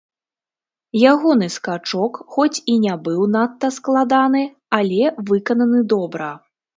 Ягоны скачок хоць і не быў надта складаны, але выкананы добра.